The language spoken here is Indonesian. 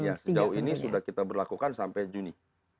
iya sejauh ini sudah kita berlakukan sampai juni